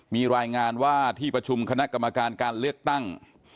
มีรายงานว่าที่ประชุมคณะกรรมการการเลือกตั้ง